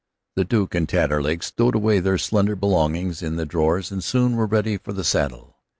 The Duke and Taterleg stowed away their slender belongings in the drawers and soon were ready for the saddle.